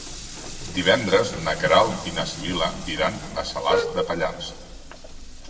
Divendres na Queralt i na Sibil·la iran a Salàs de Pallars.